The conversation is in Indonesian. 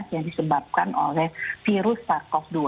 yang disebabkan oleh virus sars cov dua